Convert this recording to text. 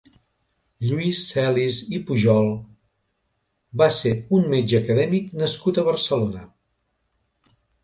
Lluís Celis i Pujol va ser un metge i acadèmic nascut a Barcelona.